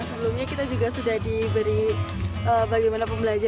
sebelumnya kita juga sudah diberi bagaimana pembelajaran